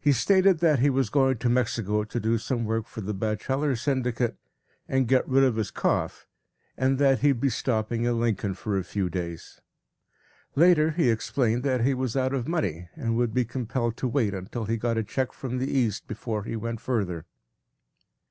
He stated that he was going to Mexico to do some work for the Bacheller Syndicate and get rid of his cough, and that he would be stopping in Lincoln for a few days. Later he explained that he was out of money and would be compelled to wait until he got a check from the East before he went further.